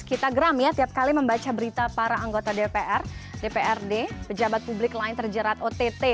kita geram ya tiap kali membaca berita para anggota dpr dprd pejabat publik lain terjerat ott